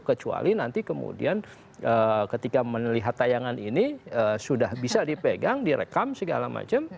kecuali nanti kemudian ketika melihat tayangan ini sudah bisa dipegang direkam segala macam